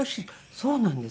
そうなんです。